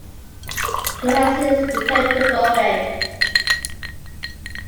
He has since returned to Bogen.